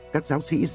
các giáo sĩ giáo sĩ